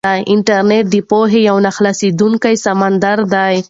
انټرنيټ د پوهې یو نه خلاصېدونکی سمندر دی.